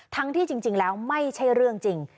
ที่จริงแล้วไม่ใช่เรื่องจริง